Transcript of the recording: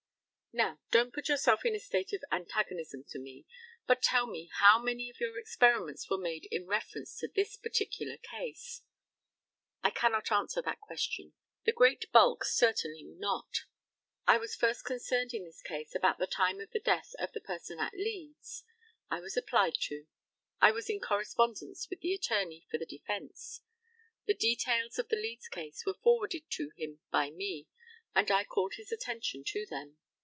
Now, don't put yourself in a state of antagonism to me, but tell me how many of your experiments were made in reference to this particular case? I cannot answer that question. The great bulk certainly were not. I was first concerned in this case about the time of the death of the person at Leeds. I was applied to. I was in correspondence with the attorney for the defence. The details of the Leeds case were forwarded to him by me, and I called his attention to them.